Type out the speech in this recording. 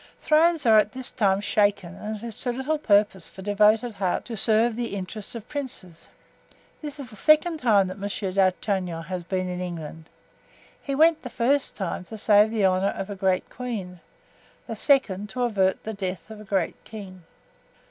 Thrones are at this time shaken and it is to little purpose for devoted hearts to serve the interests of princes. This is the second time that Monsieur d'Artagnan has been in England. He went the first time to save the honor of a great queen; the second, to avert the death of a great king."